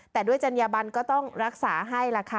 แต่ด้วยจัญญบันก็ต้องรักษาให้ล่ะค่ะ